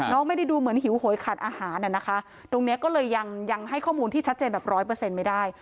ไม่ได้ดูเหมือนหิวโหยขาดอาหารอ่ะนะคะตรงนี้ก็เลยยังให้ข้อมูลที่ชัดเจนแบบร้อยเปอร์เซ็นต์ไม่ได้